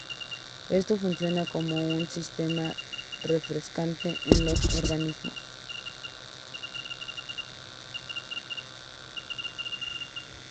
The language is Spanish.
Esto funciona como un sistema refrescante en los organismos.